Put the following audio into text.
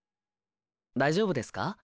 大丈夫ですか？